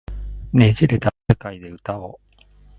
捻れた世界で歌おう